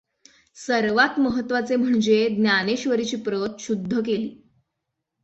सर्वांत महत्त्वाचे म्हणजे ज्ञानेश्वरीची प्रत शुद्ध केली.